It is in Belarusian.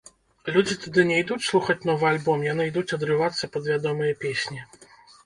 Людзі туды не ідуць слухаць новы альбом, яны ідуць адрывацца пад вядомыя песні.